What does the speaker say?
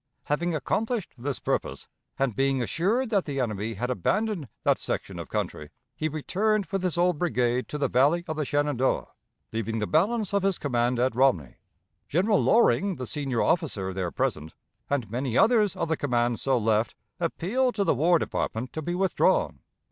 Having accomplished this purpose, and being assured that the enemy had abandoned that section of country, he returned with his old brigade to the Valley of the Shenandoah, leaving the balance of his command at Romney. General Loring, the senior officer there present, and many others of the command so left, appealed to the War Department to be withdrawn.